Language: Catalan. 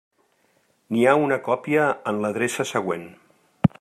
N'hi ha una còpia en l'adreça següent.